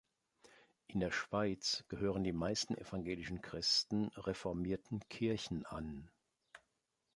In der Schweiz gehören die meisten evangelischen Christen reformierten Kirchen an.